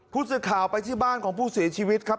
ผู้สื่อข่าวไปที่บ้านของผู้เสียชีวิตครับ